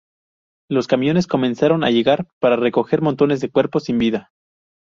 Los camiones comenzaron a llegar para recoger montones de cuerpos sin vida.